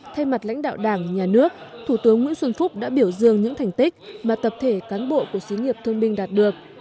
thay mặt lãnh đạo đảng nhà nước thủ tướng nguyễn xuân phúc đã biểu dương những thành tích mà tập thể cán bộ của sĩ nghiệp thương binh đạt được